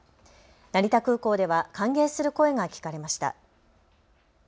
成田空港では歓迎する声が聞かれました。